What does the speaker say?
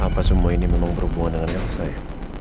apa semua ini memang berhubungan dengan elsa ya